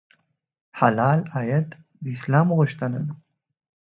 حلال عاید د اسلام غوښتنه ده.